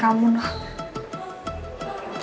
kamu udah bikin aku sakit hati